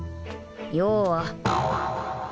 要は